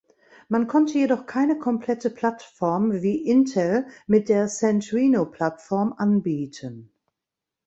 Man konnte jedoch keine komplette Plattform, wie Intel mit der Centrino-Plattform anbieten.